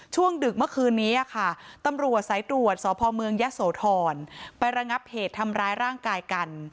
ดึกเมื่อคืนนี้ค่ะตำรวจสายตรวจสพเมืองยะโสธรไประงับเหตุทำร้ายร่างกายกัน